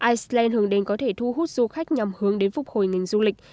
iceland hướng đến có thể thu hút du khách nhằm hướng đến phục hồi ngành du lịch